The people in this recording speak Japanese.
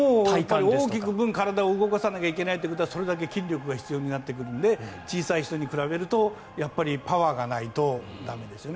大きい分体を動かさないといけないということはそれだけ筋力が必要になってくるので小さい人に比べるとそれだけパワーがないと駄目ですね。